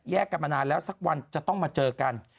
กันมานานแล้วสักวันจะต้องมาเจอกัน